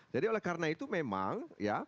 jadi oleh karena itu memang